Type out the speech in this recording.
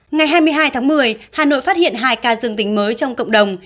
ngày hai mươi hai tháng một mươi hà nội phát hiện hai ca dương tính mới trong cộng đồng